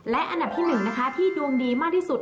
และอันดับที่๑นะคะที่ดวงดีมากที่สุด